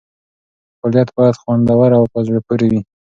فعالیت باید خوندور او په زړه پورې وي.